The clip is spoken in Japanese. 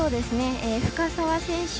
深沢選手